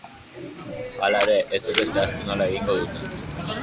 Hala ere, ez dute zehaztu nola egingo duten.